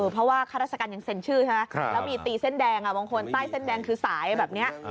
เพราะว่าข้าราชการยังเซ็นชื่อใช่ไหมแล้วมีตีเส้นแดงบางคนใต้เส้นแดงคือสายแบบนี้